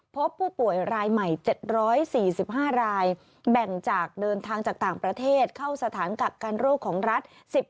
พบผู้ป่วยรายใหม่๗๔๕รายแบ่งจากเดินทางจากต่างประเทศเข้าสถานกักกันโรคของรัฐ